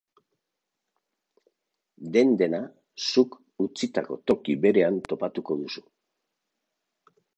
Den-dena zuk utzitako toki berean topatuko duzu.